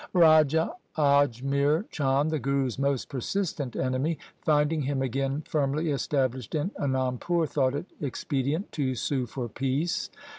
Raja Ajmer Chand, the Guru's most persistent enemy, finding him again firmly established in Anandpur, thought it expedient to sue for peace.